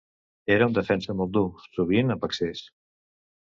Era un defensa molt dur, sovint amb excés.